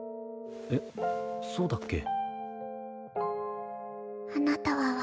えっそうだっけ？